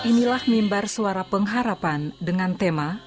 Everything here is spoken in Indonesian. inilah mimbar suara pengharapan dengan tema